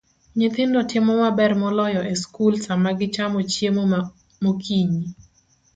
Nyithindo timo maber moloyo e skul sama gichamo chiemo mokinyi.